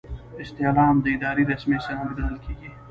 استعلام د ادارې رسمي سند ګڼل کیږي.